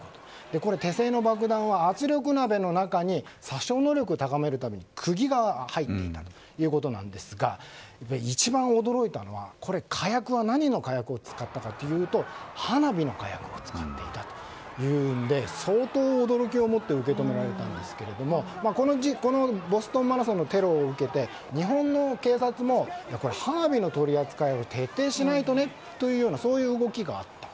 手製の爆弾は圧力鍋の中に殺傷能力を高めるために釘が入っていたということなんですが一番驚いたのは火薬は何の火薬を使ったかというと花火の火薬を使っていたというので相当、驚きをもって受け止められたんですがこのボストンマラソンのテロを受けて日本の警察も、花火の取り扱いを徹底しないとねという動きがあった。